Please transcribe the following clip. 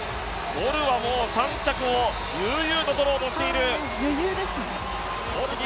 ボルは３着を悠々と取ろうとしている。